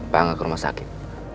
pak angga ke rumah sakit